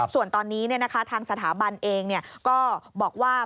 ส่วนตอนนี้ทางสถาบันเองก็บอกว่า